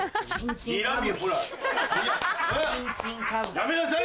やめなさい！